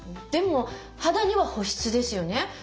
でも肌には保湿ですよね？